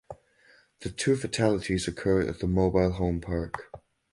The two fatalities occurred at the mobile home park.